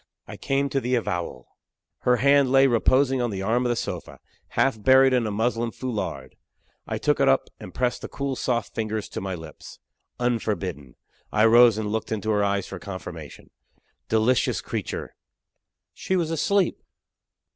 I came to the avowal. Her hand lay reposing on the arm of the sofa, half buried in a muslin foulard. I took it up and pressed the cool soft fingers to my lips unforbidden. I rose and looked into her eyes for confirmation. Delicious creature! she was asleep!